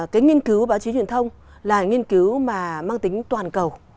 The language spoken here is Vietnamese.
cái nghiên cứu báo chí truyền thông là nghiên cứu mà mang tính toàn cầu